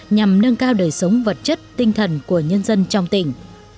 nhằm nâng cao đời sống vật chất tinh thần của nhân dân trong tỉnh